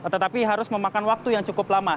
tetapi harus memakan waktu yang cukup lama